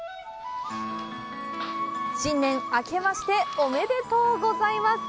新年あけましておめでとうございます！